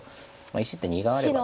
石って２眼あればもう。